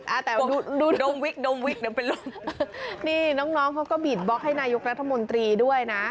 อ่าแต่ดูดมวิกดมวิกเดี๋ยวเป็นลมนี่น้องน้องเขาก็บีดบล็อกให้นายกรัฐมนตรีด้วยนะ